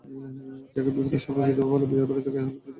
যাকে বিভিন্ন সময় বিধবা বলে, বিয়ে বাড়িতে গায়েহলুদ দিতে নিষেধ করত লোকজন।